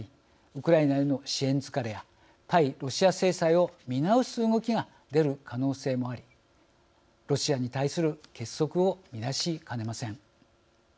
ウクライナへの支援疲れや対ロシア制裁を見直す動きがロシアに対する結束を乱しかねません。